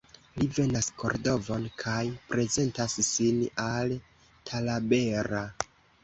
Li venas Kordovon kaj prezentas sin al Talabera.